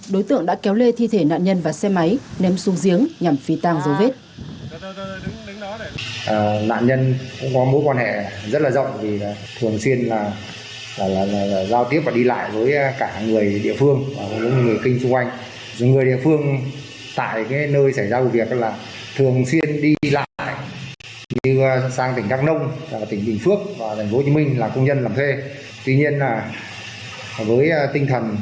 đối tượng đã kéo lê thi thể nạn nhân và xe máy ném xuống giếng nhằm phi tang dấu vết